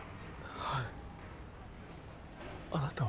はいあなたは？